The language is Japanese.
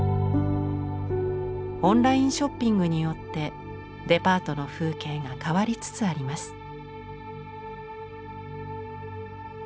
オンラインショッピングによってデパートの風景が変わりつつあります。